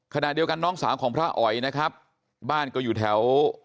ขณะเดียวกันน้องสาวของพระอ๋อยนะครับบ้านก็อยู่แถว